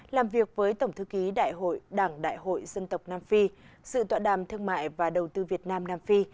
làm việc với tổng thư ký đảng đại hội dân tộc nam phi sự tọa đàm thương mại và đầu tư việt nam nam phi